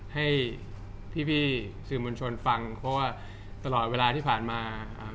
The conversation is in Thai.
ให้พี่พี่สื่อมวลชนฟังเพราะว่าตลอดเวลาที่ผ่านมาอ่า